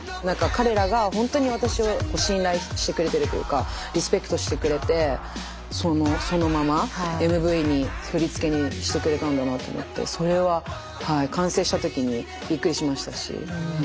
何か彼らがほんとに私を信頼してくれてるというかリスペクトしてくれてそのままＭＶに振り付けにしてくれたんだなと思ってそれは完成した時にびっくりしましたし。